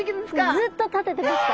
ずっとたててました。